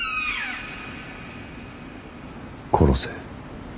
殺せ。